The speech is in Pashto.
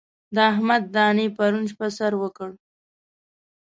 د احمد دانې پرون شپه سر وکړ.